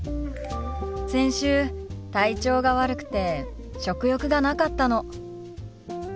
先週体調が悪くて食欲がなかったの。